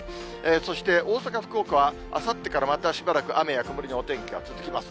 そして大阪、福岡はあさってからまたしばらく、雨や曇りのお天気が続きます。